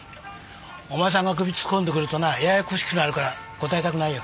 お前さんが首突っ込んでくるとなややこしくなるから答えたくないよ。